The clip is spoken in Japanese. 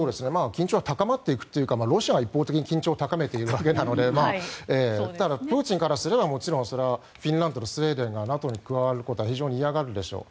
緊張は高まっていくというかロシアが一方的に緊張を高めているわけなのでただ、プーチンからすればそれはフィンランド、スウェーデンがＮＡＴＯに加わることは非常に嫌がるでしょう。